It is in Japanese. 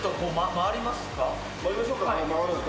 回りましょうか。